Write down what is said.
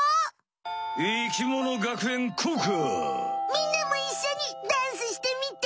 みんなもいっしょにダンスしてみて！